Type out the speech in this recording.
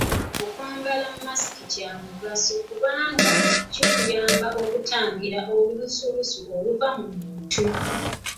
Okwambala masiki kya mugaso kubanga kikuyamba okutangira olulusulusu oluva mu muntu.